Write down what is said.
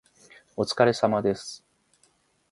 お疲れ様です